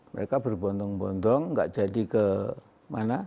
mereka berbontong bontong tidak jadi ke mana